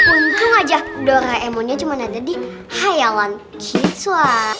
untung aja doraemonnya cuma ada di hayalan kiswah